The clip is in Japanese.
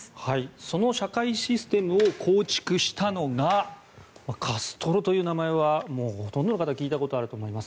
その社会システムを構築したのがカストロという名前はもうほとんどの方聞いたことあると思います。